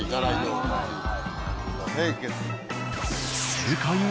正解は。